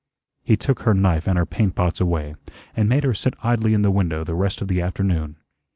He took her knife and her paint pots away, and made her sit idly in the window the rest of the afternoon.